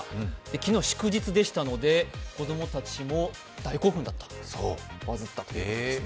昨日、祝日でしたので子供たちも大興奮、大バズったということですね。